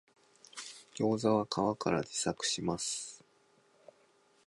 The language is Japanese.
ギョウザは皮から自作します